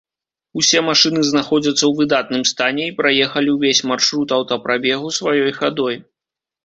Усе машыны знаходзяцца ў выдатным стане і праехалі ўвесь маршрут аўтапрабегу сваёй хадой.